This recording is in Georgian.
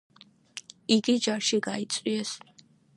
იგი ჯარში გაიწვიეს.